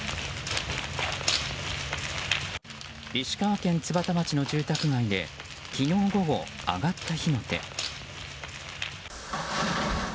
石川県津幡町の住宅街で昨日午後、上がった火の手。